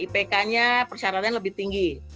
ipk nya persyaratan lebih tinggi